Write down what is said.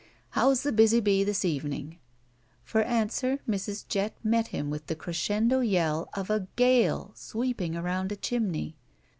'' How's the busy bee this evening?" For answer Mrs. Jett met him with the crescendo yell of a gale sweeping around a chimney.